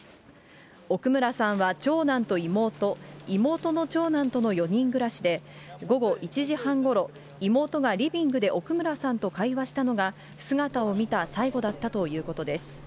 奥村さんは長男と妹、妹の長男との４人暮らしで、午後１時半ごろ、妹がリビングで奥村さんと会話したのが、姿を見た最後だったということです。